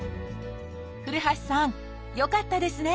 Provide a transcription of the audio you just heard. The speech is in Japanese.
古橋さんよかったですね！